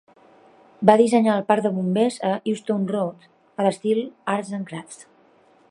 Va dissenyar el parc de bombers a Euston Road, a l'estil "Arts and Crafts".